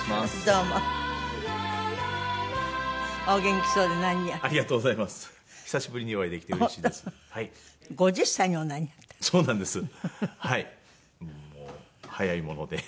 もう早いもので。